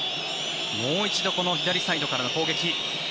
もう一度左サイドからの攻撃。